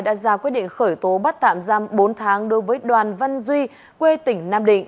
đã ra quyết định khởi tố bắt tạm giam bốn tháng đối với đoàn văn duy quê tỉnh nam định